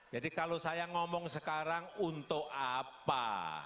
jadi kalau saya ngomong sekarang untuk apa